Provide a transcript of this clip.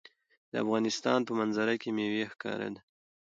د افغانستان په منظره کې مېوې ښکاره ده.